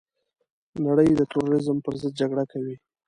نړۍ د تروريزم پرضد جګړه کوي.